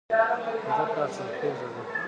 ځمکه حاصلخېزه ده